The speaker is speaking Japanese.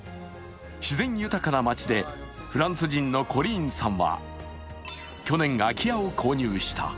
自然豊かな町でフランス人のコリーンさんは去年、空き家を購入した。